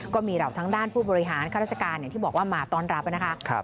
ก็มีเหล่าทั้งด้านผู้บริหารข้าราชการอย่างที่บอกว่ามาต้อนรับนะคะ